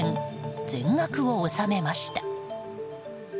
全額を納めました。